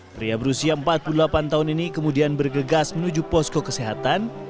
pria berusia empat puluh delapan tahun ini kemudian bergegas menuju posko kesehatan